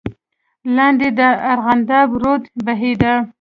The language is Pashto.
لاندې د ارغنداب رود بهېده.